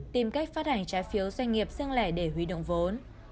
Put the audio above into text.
doanh nghiệp sang lẻ để huy động vốn